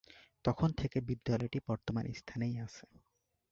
তখন থেকে বিদ্যালয়টি বর্তমান স্থানেই আছে।